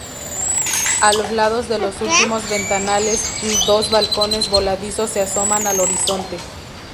A los lados de los últimos ventanales, dos balcones voladizos se asoman al horizonte.